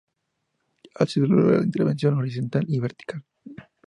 Así se logra la integración horizontal y vertical.